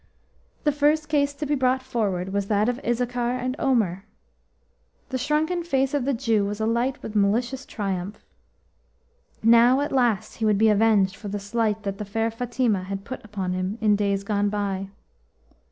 HE first case to be brought forward was that of Issachar and Omer. The shrunken face of the Jew was alight with malicious triumph. Now, at last, he would be avenged for the slight that the fair Fatima had put upon him in days gone by.